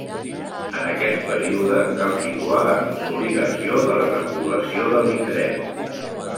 En aquest període cal situar la consolidació de la repoblació de l'indret.